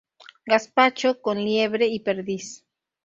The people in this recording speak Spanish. Gazpacho con liebre y perdiz.